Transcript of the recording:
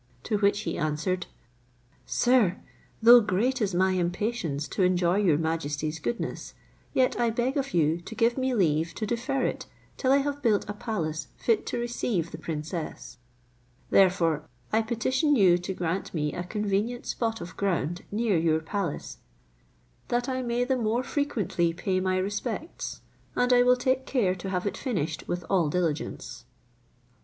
To which he answered, "Sir, though great is my impatience to enjoy your majesty's goodness, yet I beg of you to give me leave to defer it till I have built a palace fit to receive the princess; therefore I petition you to grant me a convenient spot of ground near your palace, that I may the more frequently pay my respects, and I will take care to have it finished with all diligence."